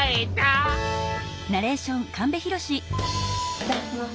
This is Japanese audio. いただきます。